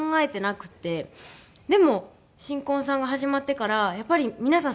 でも『新婚さん』が始まってからやっぱり皆さん